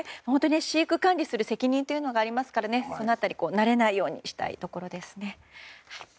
飼育管理する責任というのがありますからその辺り、慣れないようにしたいところですね。